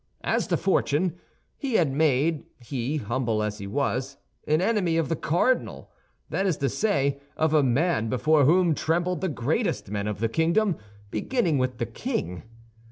As to fortune, he had made—he, humble as he was—an enemy of the cardinal; that is to say, of a man before whom trembled the greatest men of the kingdom, beginning with the king.